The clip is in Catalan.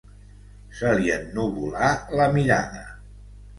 Se li ennuvolà la mirada.